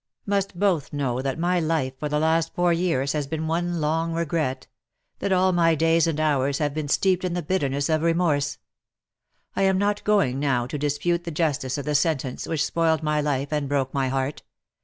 " Must both know that my life for the last four years has been one long regret — that all my days and hours have been steeped in the bitterness of remorse. I am not going now to dispute the justice of the sentence which spoiled my life and broke my heart.